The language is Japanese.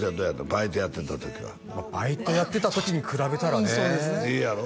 バイトやってた時はバイトやってた時に比べたらねうんそうですねええやろ？